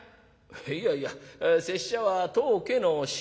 「いやいや拙者は当家の臣」。